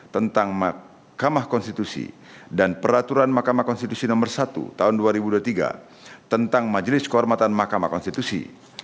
tentang mahkamah konstitusi dan peraturan mahkamah konstitusi nomor satu tahun dua ribu dua puluh tiga tentang majelis kehormatan mahkamah konstitusi